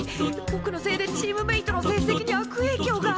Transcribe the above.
ぼくのせいでチームメートの成績に悪えいきょうが。